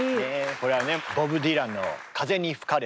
これはねボブ・ディランの「風に吹かれて」。